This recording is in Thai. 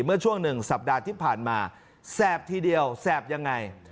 เมื่อช่วงหนึ่งสัปดาห์ที่ผ่านมาแสบทีเดียวแสบยังไง